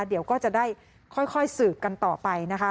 เดี๋ยวก็จะได้ค่อยสืบกันต่อไปนะคะ